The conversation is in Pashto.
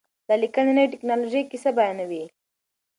دا لیکنه د نوې ټکنالوژۍ کیسه بیانوي.